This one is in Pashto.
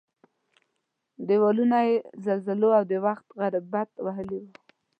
دېوالونه یې زلزلو او د وخت غربت وهلي وو.